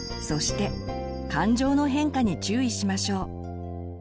そして感情の変化に注意しましょう。